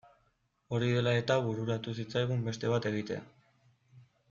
Hori dela eta bururatu zitzaigun beste bat egitea.